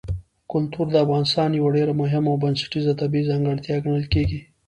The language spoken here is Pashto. کلتور د افغانستان یوه ډېره مهمه او بنسټیزه طبیعي ځانګړتیا ګڼل کېږي.